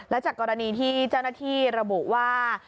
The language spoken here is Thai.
และจากกรณีที่เจ้าระดินระบุว่า